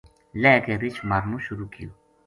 لہہ کے رچھ مارنو شروع کیو